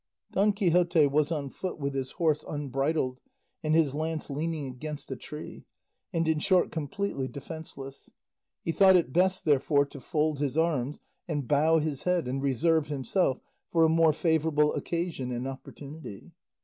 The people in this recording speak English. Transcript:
Don Quixote was on foot with his horse unbridled and his lance leaning against a tree, and in short completely defenceless; he thought it best therefore to fold his arms and bow his head and reserve himself for a more favourable occasion and opportunity.